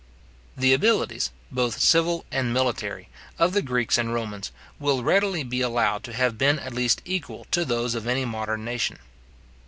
The abilities, both civil and military, of the Greeks and Romans, will readily be allowed to have been at least equal to those of any modern nation.